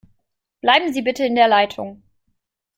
Bleiben Sie bitte in der Leitung.